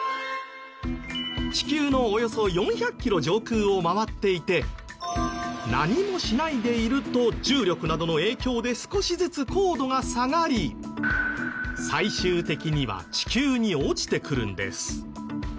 地球のおよそ４００キロ上空を回っていて何もしないでいると重力などの影響で少しずつ高度が下がり最終的には地球に落ちてくるんです。